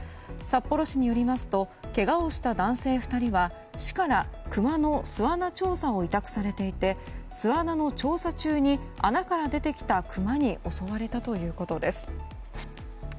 札幌市によりますとけがをした男性２人は市からクマの巣穴調査を委託されていて巣穴の調査中に穴から出てきたクマに襲われたということです。